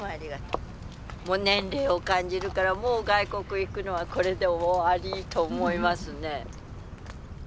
もう年齢を感じるからもう外国行くのはこれで終わりと思いますね。